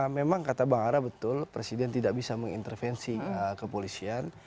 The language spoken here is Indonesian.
memang kata bang ara betul presiden tidak bisa mengintervensi kepolisian